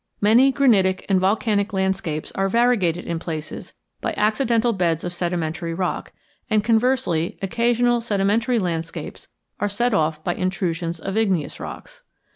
Many granitic and volcanic landscapes are variegated in places by accidental beds of sedimentary rock; and conversely occasional sedimentary landscapes are set off by intrusions of igneous rocks.